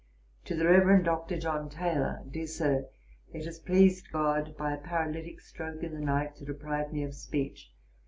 'TO THE REVEREND DR. JOHN TAYLOR. 'DEAR SIR, It has pleased GOD, by a Paralytick stroke in the night, to deprive me of speech.